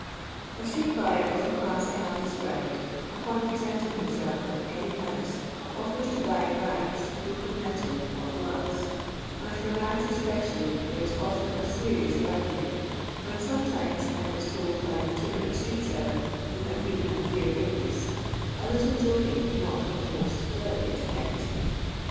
A Btree^buyer of the class I have described, ipon presenting himself at any house, offers to buy ngSy broken metal, or gloss, and for rags especially there is ofken a serious bargaining, and sometimes, I was told by an itinerant street seller, who had been an ear witness, a little joking not of the most delicate kind.